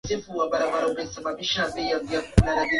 na kufurahia sikukuu ya ulaji wa jadi anayeweza